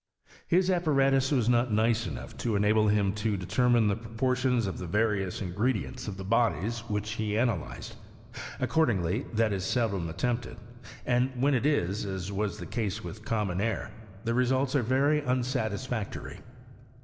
His apparatus was not nice enough to enable him to de termine the proportions of the various ingredients of the bodies which he analyzed : accordingly that is seldom attempted ; and when it is, as was the case with common air, the results are very unsatisfactory.